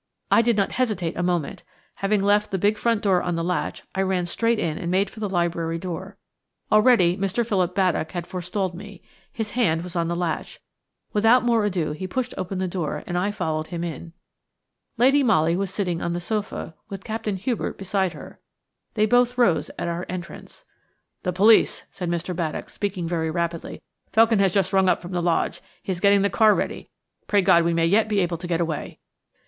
I did not hesitate a moment. Having left the big front door on the latch, I ran straight in and made for the library door. Already Mr. Philip Baddock had forestalled me. His hand was on the latch. Without more ado he pushed open the door and I followed him in. Lady Molly was sitting on the sofa, with Captain Hubert beside her. They both rose at our entrance. "The police!" said Mr. Baddock, speaking very rapidly. "Felkin has just run up from the lodge. He is getting the car ready. Pray God we may yet be able to get away."